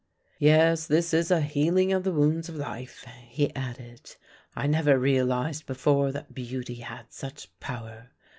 '" "Yes, this is a healing of the wounds of life," he added. "I never realised before that beauty had such power.